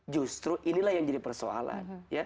justru inilah yang jadi persoalan